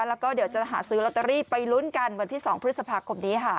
แล้วก็เดี๋ยวจะหาซื้อลอตเตอรี่ไปลุ้นกันวันที่๒พฤษภาคมนี้ค่ะ